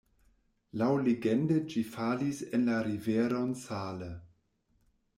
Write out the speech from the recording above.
Laŭlegende ĝi falis en la riveron Saale.